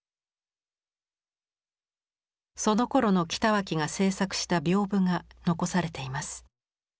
そのころの北脇が制作した屏風が残されています。